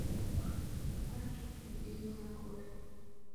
W'aketi mdinyi na kosi.